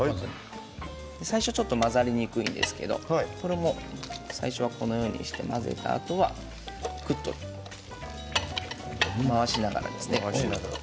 最初はちょっと混ざりにくいんですけれど最初、このようにして混ぜたあとはぐっと回しながら。